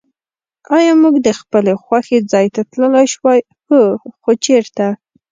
آیا موږ د خپل خوښي ځای ته تللای شوای؟ هو. خو چېرته؟